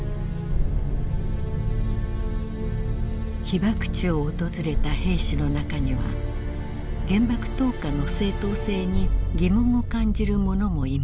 被爆地を訪れた兵士の中には原爆投下の正当性に疑問を感じる者もいました。